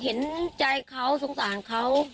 เห็นใจเขาสงสารเขา